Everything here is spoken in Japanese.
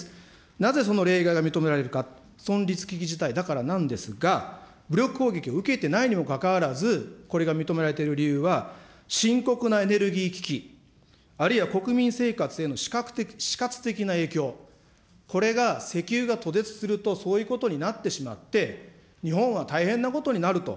なぜその例外が認められるか、存立危機事態だからなんですが、武力攻撃を受けてないにもかかわらず、これが認められている理由は、深刻なエネルギー危機、あるいは国民生活への死活的な影響、これが石油が途絶するとそういうことになってしまって、日本は大変なことになると。